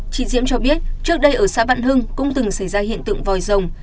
chị diễm cho biết trước đây ở xã bạn hưng cũng từng xảy ra hiện tượng vòi dòng